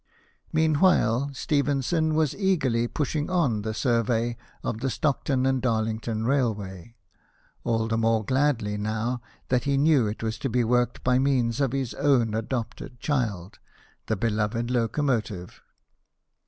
Meanwhile, Stephenson was eagerly pushing on the survey of the Stockton and Darlington railway, all the more gladly now that he knew it was to be worked by means of his own adopted child, the beloved locomotive.